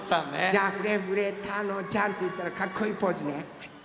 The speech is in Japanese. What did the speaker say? じゃあ「フレフレたのちゃん」っていったらかっこいいポーズね！